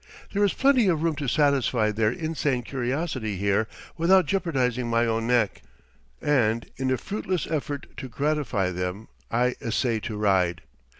There is plenty of room to satisfy their insane curiosity here without jeopardizing my own neck, and in a fruitless effort to gratify them I essay to ride.